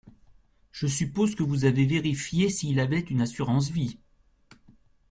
Je suppose que vous avez vérifié s’il avait une assurance-vie ?